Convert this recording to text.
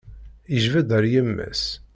Ijbed ar yemma-s.